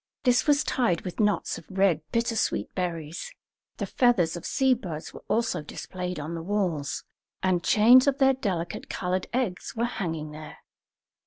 This was tied with knots of red bittersweet berries; the feathers of sea birds were also displayed on the walls, and chains of their delicate coloured eggs were hanging there.